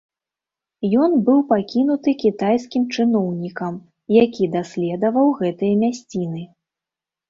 Ён быў пакінуты кітайскім чыноўнікам, які даследаваў гэтыя мясціны.